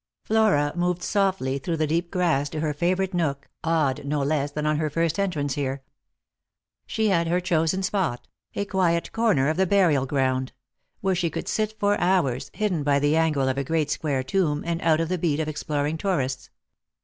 Flora moved softly through the deep grass to her favourite nook, awed, no less than on her first entrance here, by the solemn beauty of the scene. She had her chosen spot — a quiet corner of the burial ground — where she could sit for hours, hid den by the angle of a great square tomb, and out of the beat of exploring tourists.